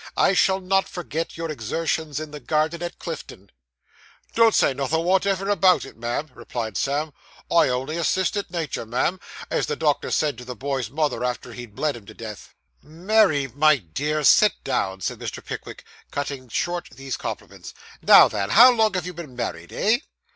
'I shall not forget your exertions in the garden at Clifton.' 'Don't say nothin' wotever about it, ma'am,' replied Sam. 'I only assisted natur, ma'am; as the doctor said to the boy's mother, after he'd bled him to death.' 'Mary, my dear, sit down,' said Mr. Pickwick, cutting short these compliments. 'Now then; how long have you been married, eh?